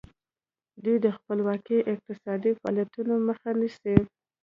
دوی د خپلواکو اقتصادي فعالیتونو مخه نیسي.